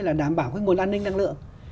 là đảm bảo cái nguồn an ninh năng lượng